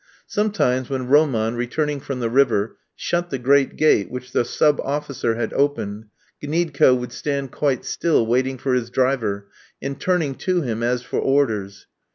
Sometimes when Roman, returning from the river, shut the great gate which the sub officer had opened, Gniedko would stand quite still waiting for his driver, and turning to him as for orders.